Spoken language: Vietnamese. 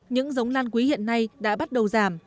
những giống lan quý hiện nay đã bắt đầu giảm